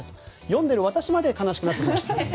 読んでいる私まで悲しくなってきました。